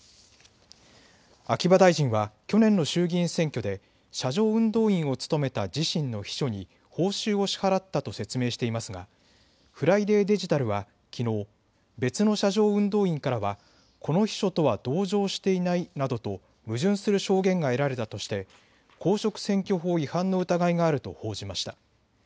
秋葉大臣は去年の衆議院選挙で車上運動員を務めた自身の秘書に報酬を支払ったと説明していますがＦＲＩＤＡＹデジタルはきのう別の車上運動員からはこの秘書とは同乗していないなどと矛盾する証言が得られたとして公職選挙法違反の疑いがあると報じました。